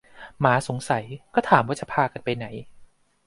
หมาสงสัยก็ถามว่าจะพากันไปไหน